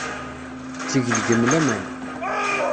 Tetteg deg-m laman.